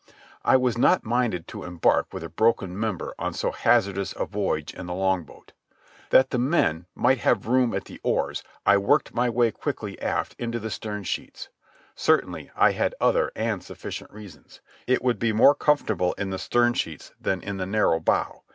I was not minded to embark with a broken member on so hazardous a voyage in the longboat. That the men might have room at the oars, I worked my way quickly aft into the sternsheets. Certainly, I had other and sufficient reasons. It would be more comfortable in the sternsheets than in the narrow bow.